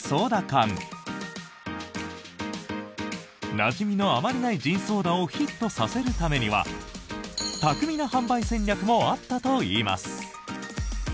なじみのあまりないジンソーダをヒットさせるためには巧みな販売戦略もあったといいます。